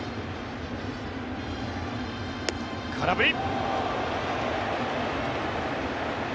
空振り。